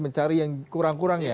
mencari yang kurang kurang ya